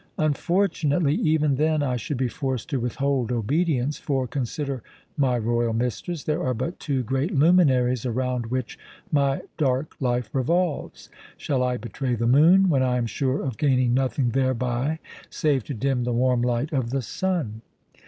"Unfortunately, even then I should be forced to withhold obedience; for consider, my royal mistress, there are but two great luminaries around which my dark life revolves. Shall I betray the moon, when I am sure of gaining nothing thereby save to dim the warm light of the sun?"